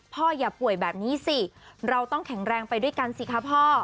อย่าป่วยแบบนี้สิเราต้องแข็งแรงไปด้วยกันสิคะพ่อ